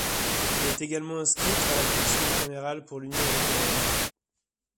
Elle est également inscrite à la commission bicamérale pour l'Union européenne.